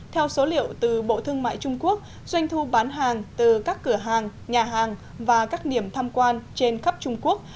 theo số liệu từ bộ thương mại trung quốc doanh thu bán hàng từ các cửa hàng nhà hàng và các điểm tham quan trên khắp trung quốc